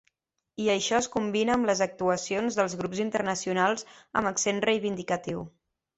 I això es combina amb les actuacions dels grups internacionals amb accent reivindicatiu.